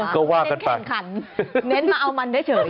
เน้นแข่งขันเน้นมาเอามันได้เฉย